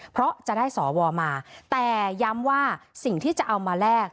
เพราะจะได้สวมาแต่ย้ำว่าสิ่งที่จะเอามาแลก